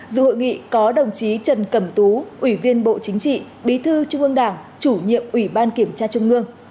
dự hội nghị có đồng chí trần cẩm tú ủy viên bộ chính trị bí thư trung ương đảng chủ nhiệm ủy ban kiểm tra trung ương